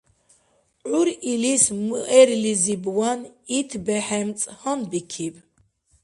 ГӀyp илис муэрлизибван ит бехӀемцӀ гьанбикиб.